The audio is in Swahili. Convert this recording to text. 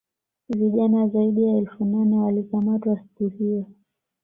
vijana zaidi ya elfu nane walikamatwa siku hiyo